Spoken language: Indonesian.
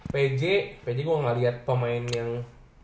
pj pj gua gak liat pemain yang